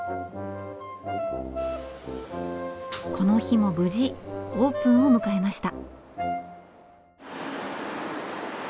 この日も無事オープンを迎えました。